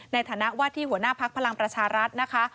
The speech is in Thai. ในฐานะว่าที่หัวหน้าพักพลังประชารัฐนะคะ